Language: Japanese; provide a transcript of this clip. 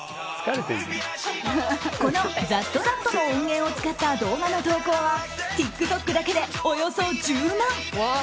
この「ＴｈａｔＴｈａｔ」の音源を使った動画の投稿はＴｉｋＴｏｋだけでおよそ１０万回！